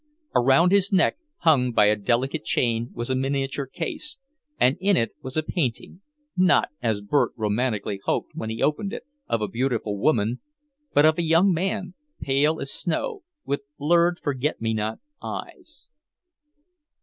Around his neck, hung by a delicate chain, was a miniature case, and in it was a painting, not, as Bert romantically hoped when he opened it, of a beautiful woman, but of a young man, pale as snow, with blurred forget me not eyes.